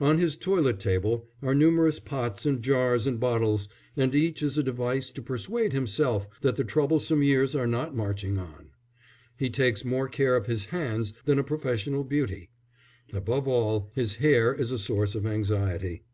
On his toilet table are numerous pots and jars and bottles, and each is a device to persuade himself that the troublesome years are not marching on. He takes more care of his hands than a professional beauty. Above all, his hair is a source of anxiety.